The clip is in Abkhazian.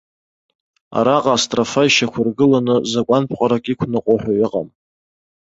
Араҟа астрофа ишьақәыргыланы закәанԥҟарак иқәныҟо ҳәа иҟам.